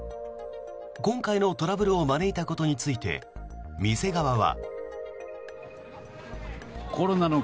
今回のトラブルを招いたことについて店側は。